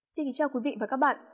xin kính chào quý vị và các bạn